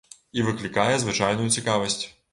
І выклікае звычайную цікавасць.